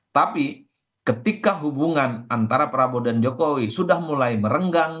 tapi ketika hubungan antara prabowo dan jokowi sudah mulai merenggang